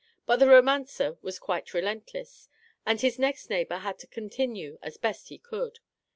But the romancer was quite relentless, and his next neighbour had to continue as best he could.